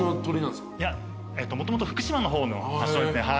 いやもともと福島の方の発祥ですね。